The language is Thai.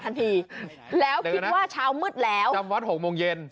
คนที่วัดนี่นะ